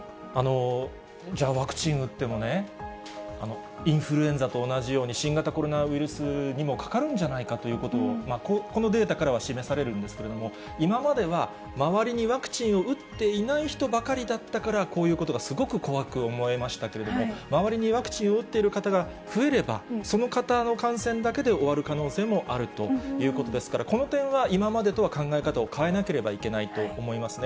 じゃあ、ワクチン打ってもね、インフルエンザと同じように、新型コロナウイルスにもかかるんじゃないかということ、このデータからは示されるんですけれども、今までは、周りにワクチンを打っていない人ばかりだったから、こういうことがすごく怖く思えましたけれども、周りにワクチンを打っている方が増えれば、その方の感染だけで終わる可能性もあるということですから、この点は今までとは考え方を変えなければいけないと思いますね。